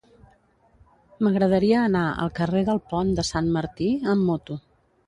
M'agradaria anar al carrer del Pont de Sant Martí amb moto.